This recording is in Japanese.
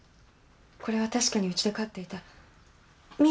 これは確かにうちで飼っていたミィです。